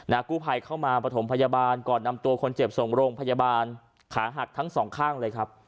กู้ภัยเข้ามาประถมพยาบาลก่อนนำตัวคนเจ็บส่งโรงพยาบาลขาหักทั้งสองข้างเลยครับ